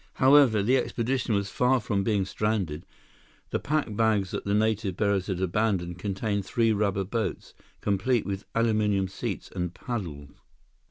However, the expedition was far from being stranded. The pack bags that the native bearers had abandoned contained three rubber boats, complete with aluminum seats and paddles.